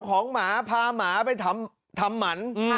ของหมาพาหมาไปทำถามัน